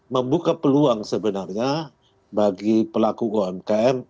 membuka peluang sebenarnya bagi pelaku umkm